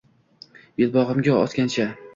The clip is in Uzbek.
Belbog’iga osganicha